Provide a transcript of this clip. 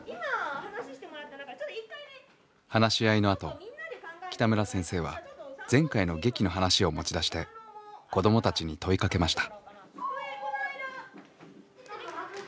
話し合いのあと北村先生は前回の劇の話を持ち出して子どもたちに問いかけました。